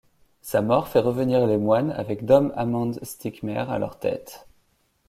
Sa mort fait revenir les moines avec Dom Amand Stickmayr à leur tête.